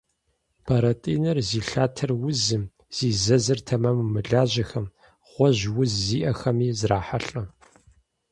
Бэрэтӏинэр зи лъатэр узым, зи зэзыр тэмэму мылажьэхэм, гъуэжь уз зиӏэхэми зрахьэлӏэ.